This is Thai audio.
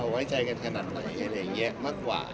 ไว้ใจกันขนาดไหนอะไรอย่างนี้มากกว่า